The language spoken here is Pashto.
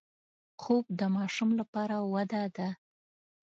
خوب د ماشوم لپاره وده ده